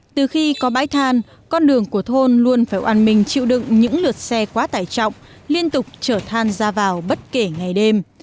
từ khi có bãi than con đường của thôn luôn phải oàn mình chịu đựng những lượt xe quá tải trọng liên tục chở than ra vào bất kể ngày đêm